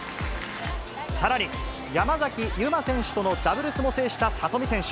さらに、山崎悠麻選手とのダブルスも制した里見選手。